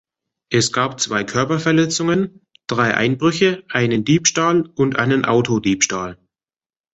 Es gab zwei Körperverletzungen, drei Einbrüche, einen Diebstahl und einen Autodiebstahl.